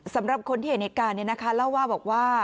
สำหรับคนที่เห็นเอกาาร์นี่นะคะเล่าว่าบอกว่า